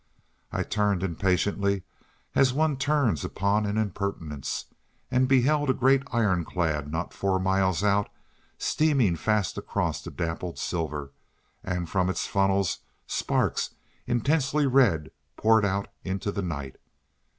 I turned impatiently as one turns upon an impertinence, and beheld a great ironclad not four miles out, steaming fast across the dappled silver, and from its funnels sparks, intensely red, poured out into the night.